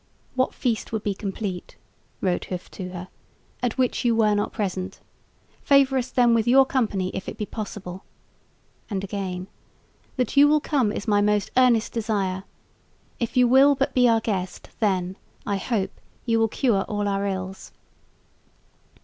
"What feast would be complete," wrote Hooft to her, "at which you were not present? Favour us then with your company if it be possible"; and again: "that you will come is my most earnest desire. If you will but be our guest, then, I hope, you will cure all our ills."